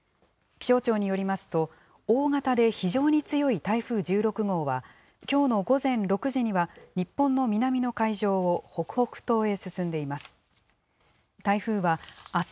気象庁によりますと、大型で非常に強い台風１６号は、きょうの午前６時には、日本の南の海上を北北東へ進んでいます。